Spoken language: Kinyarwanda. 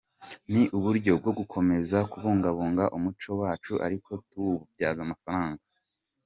Ni uburyo bwo gukomeza kubungabunga umuco wacu ariko tuwubyaza amafaranga.